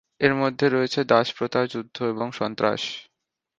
এর মধ্যে রয়েছে দাসপ্রথা, যুদ্ধ এবং সন্ত্রাস।